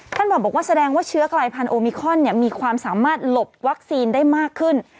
บอกว่าแสดงว่าเชื้อกลายพันธุมิคอนมีความสามารถหลบวัคซีนได้มากขึ้น